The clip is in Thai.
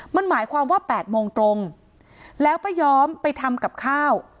มันหมายความว่า๘โมงตรงแล้วป้าย้อมไปทำกับข้าว